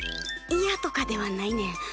いやとかではないねん。